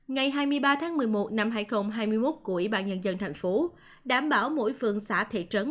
ngày hai mươi ba tháng một mươi một năm hai nghìn hai mươi một của ủy ban nhân dân thành phố đảm bảo mỗi phường xã thị trấn